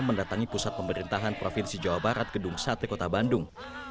mendatangi pusat pemerintahan provinsi jawa barat gedung sate kota bandung